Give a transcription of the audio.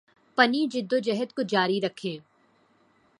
پنی جدوجہد کو جاری رکھیں